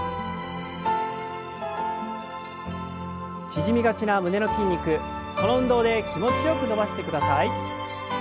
縮みがちな胸の筋肉この運動で気持ちよく伸ばしてください。